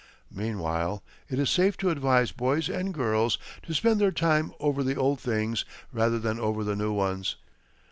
Meanwhile, it is safe to advise boys and girls to spend their time over the old things rather than over the new ones.